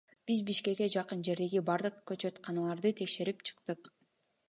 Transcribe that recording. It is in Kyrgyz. Биз Бишкекке жакын жердеги бардык көчөтканаларды текшерип чыктык.